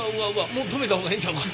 もう止めた方がええんちゃうか。